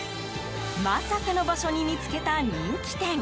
まさかの場所に見つけた人気店。